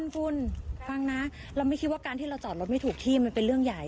คุณฟังนะเราไม่คิดว่าการที่เราจอดรถไม่ถูกที่มันเป็นเรื่องใหญ่